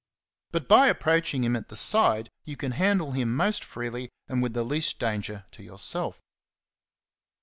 But by approaching him at the side you can handle him most freely and with the least danger to yourself.